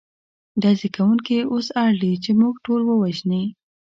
ډزې کوونکي اوس اړ دي، چې موږ ټول ووژني.